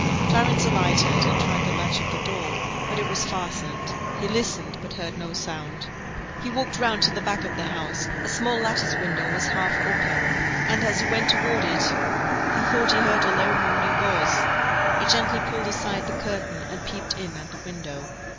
Clarence alighted, and tried the latch of the door, but it was fastened; he listened, but heard no sound; he walked round to the back of the house: a small lattice window was half open, and, as he went toward it, he thought he heard a low moaning voice; he gently pulled aside the curtain, and peeped in at the window.